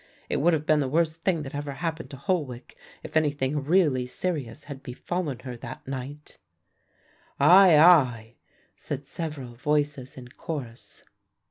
It would have been the worst thing that ever happened to Holwick if anything really serious had befallen her that night." "Ay, ay," said several voices in chorus.